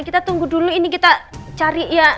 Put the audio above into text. kita tunggu dulu ini kita cari ya